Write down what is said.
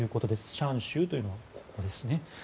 シャン州というのはここですね。